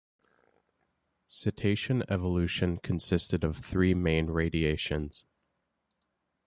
Cetacean evolution consisted of three main radiations.